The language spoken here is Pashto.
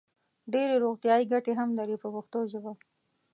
ډېرې روغتیايي ګټې هم لري په پښتو ژبه.